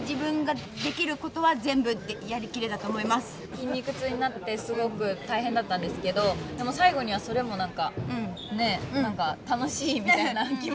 筋肉痛になってすごく大変だったんですけどでも最後にはそれも何かねえ何か楽しいみたいな気持ちになったし。